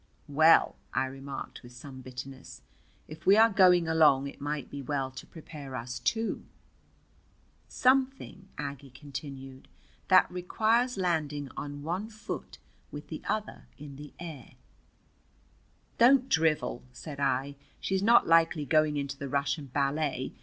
"Well," I remarked with some bitterness, "if we are going along it might be well to prepare us too." "Something," Aggie continued, "that requires landing on one foot with the other in the air." "Don't drivel," said I. "She's not likely going into the Russian ballet.